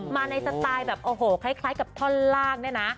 มาในสไตล์แบบโอ้โหคล้ายกับท่อนล่างเนี่ยนะ